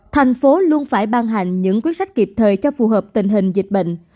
thành phố luôn phải ban hành những quyết sách kịp thời cho phù hợp tình hình dịch bệnh